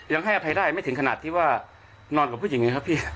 ยังให้อภัยได้ไม่ถึงขนาดที่ว่านอนกับผู้หญิงนะครับพี่